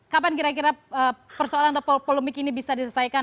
kapan kira kira persoalan atau polemik ini bisa diselesaikan